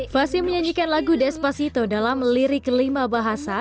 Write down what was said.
fasi menyanyikan lagu despacito dalam lirik kelima bahasa